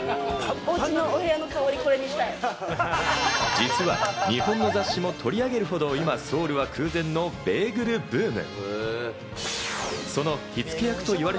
実は日本の雑誌も取り上げるほどソウルは今、空前のベーグルブーム！